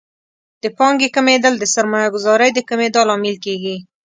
د پانګې کمیدل د سرمایه ګذارۍ د کمیدا لامل کیږي.